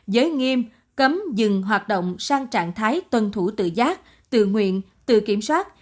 giới nghiêm cấm dừng hoạt động sang trạng thái tuân thủ tự giác tự nguyện tự kiểm soát